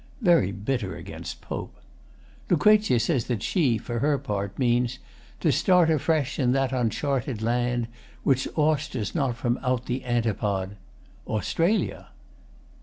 Very bitter against POPE. LUC. says that she, for her part, means To start afresh in that uncharted land | Which austers not from out the antipod, | Australia!